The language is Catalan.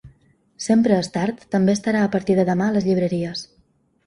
Sempre és tard també estarà a partir de demà a les llibreries.